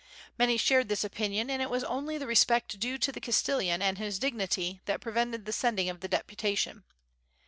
Many shared this opinion; and it was only the respect due to the Castellan and his dignity that prevented the sending of the deputation.